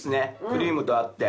クリームと合って。